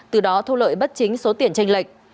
từ đó thu lợi bất chính số tiền tranh lệch